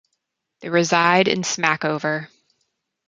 They reside in Smackover.